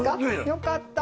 よかった。